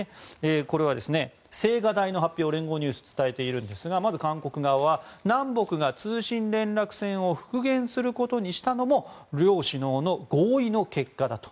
これは、青瓦台の発表を連合ニュースが伝えているんですがまず韓国側は南北が通信連絡線を復元することにしたのも両首脳の合意の結果だと。